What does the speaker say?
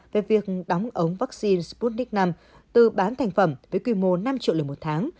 về việc đóng ống vaccine sputnik v từ bán thành phẩm với quy mô năm triệu liều một tháng